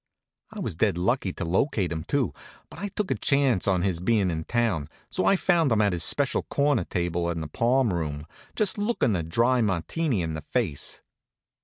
I was dead lucky to locate him, too; but I took a chance on his bein' in town, so I found him at his special corner table in the palm room, just lookin' a dry Martini in the face.